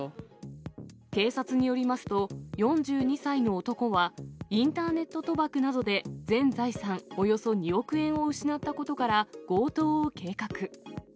警察によりますと、４２歳の男は、インターネット賭博などで全財産およそ２億円を失ったことから、強盗を計画。